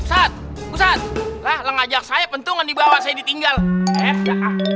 ustadz ustadz lah lang ajak saya bentungan dibawa saya ditinggal eh kakak